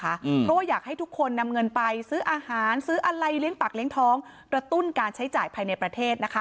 เพราะว่าอยากให้ทุกคนนำเงินไปซื้ออาหารซื้ออะไรเลี้ยงปากเลี้ยงท้องกระตุ้นการใช้จ่ายภายในประเทศนะคะ